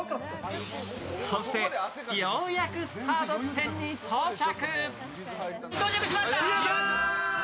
そして、ようやくスタート地点に到着。